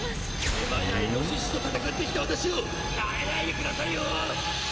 クマやイノシシと戦ってきた私をナメないでくださいよ！